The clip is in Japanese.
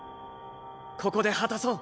ここで果たそう。